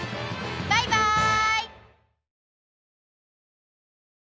バイバイ！